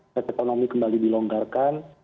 dan ekonomi kembali dilonggarkan